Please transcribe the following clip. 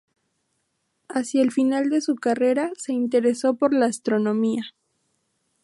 Hacia el final de su carrera se interesó por la astronomía.